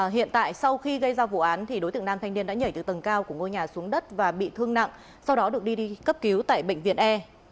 hiện tại sau khi gây ra vụ án thì đối tượng nam thanh niên đã nhảy từ tầng cao của ngôi nhà xuống đất và bị thương nặng sau đó được đi cấp cứu tại bệnh viện e